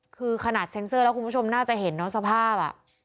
คือขนาดเซ็นเซอร์แล้วคุณผู้ชมน่าจะเห็นเนอะสภาพ